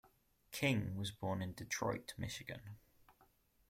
King was born in Detroit, Michigan.